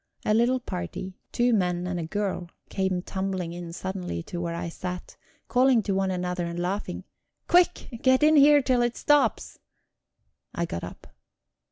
A little party, two men and a girl, came tumbling in suddenly to where I sat, calling to one another and laughing: "Quick! Get in here till it stops!" I got up.